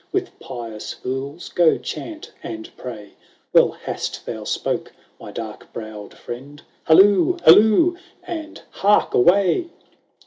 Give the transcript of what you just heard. With pious fools go chant and pray :— Well hast thou spoke, my dark browed friend ; Halloo, halloo ! and, hark away